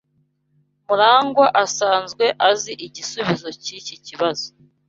Murangwa asanzwe azi igisubizo cyiki kibazo.